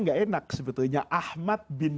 gak enak sebetulnya ahmad bin